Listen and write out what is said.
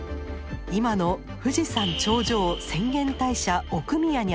今の富士山頂上浅間大社奥宮にあたります。